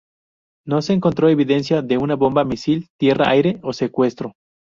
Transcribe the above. No se encontró evidencia de una bomba, misil tierra-aire o secuestro.